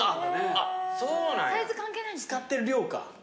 使ってる量か。